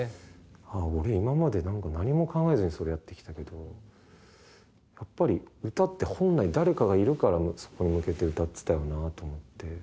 俺今までなんか何も考えずにそれやってきたけどやっぱり歌って本来誰かがいるからそこに向けて歌ってたよなと思って。